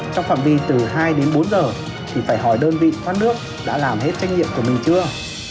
trong phạm vi từ hai đến bốn giờ thì phải hỏi đơn vị thoát nước đã làm hết trách nhiệm của mình chưa